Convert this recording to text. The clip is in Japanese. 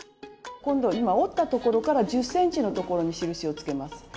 今度今折ったところから１０ｃｍのところに印をつけます。